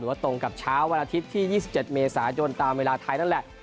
ว่าตรงกับเช้าวันอาทิตย์ที่๒๗เมษายนตามเวลาไทยนั่นแหละ